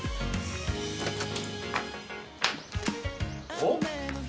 おっ？